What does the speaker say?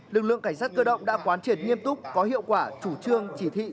bộ cảnh sát cơ động đã quán triển nghiêm túc có hiệu quả chủ trương chỉ thị